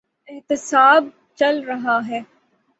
احتساب چل رہا ہے۔